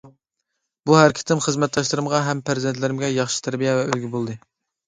بۇ ھەرىكىتىم خىزمەتداشلىرىمغا ھەم پەرزەنتلىرىمگە ياخشى تەربىيە ۋە ئۈلگە بولدى.